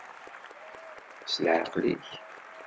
S leɛqel-ik.